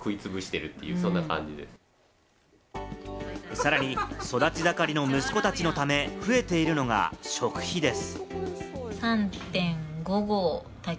さらに育ち盛りの息子たちのため、増えているのが食費です。